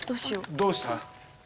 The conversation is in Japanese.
どうした？